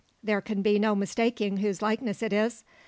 There can be no mistaking whose likeness it is.